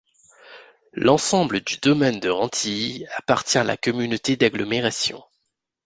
L'ensemble du domaine de Rentilly appartient à la communauté d'agglomération.